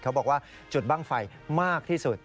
เขาบอกว่าจุดบ้างไฟมากที่สุด